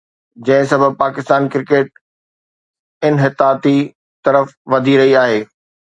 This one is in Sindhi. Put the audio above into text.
جنهن سبب پاڪستان ڪرڪيٽ انحطاطي طرف وڌي رهي آهي